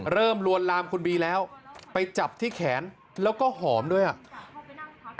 ลวนลามคุณบีแล้วไปจับที่แขนแล้วก็หอมด้วยอ่ะ